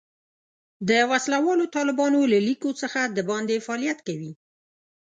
د وسله والو طالبانو له لیکو څخه د باندې فعالیت کوي.